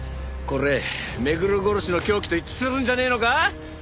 これ目黒殺しの凶器と一致するんじゃねえのか？